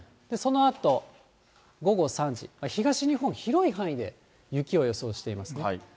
そのあと午後３時、東日本、広い範囲で雪を予想していますね。